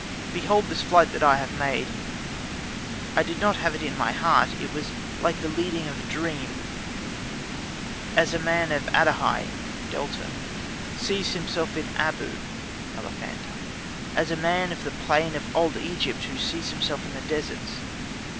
Behold this flight that I have made: I did not have it in my heart; it was like the leading of a dream, as a man of Adehi (Delta) sees himself in Abu (Elephantine), as a man of the plain of Egypt who sees himself in the deserts.